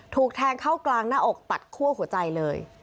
ถูกแทงเข้ากลางหน้าอกตัดคั่วหัวใจเลย